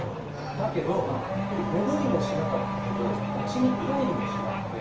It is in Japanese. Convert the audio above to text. だけど戻りもしなかったけどうちに帰りもしなくて。